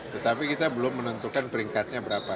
tetapi kita belum menentukan peringkatnya berapa